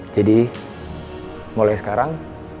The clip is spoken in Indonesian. jadi mulai sekarang